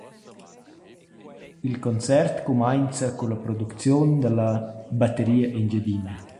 Il concert cumainza culla producziun da la «Batteria Engiadina».